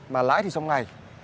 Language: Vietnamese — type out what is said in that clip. mà lãi thì trong ngày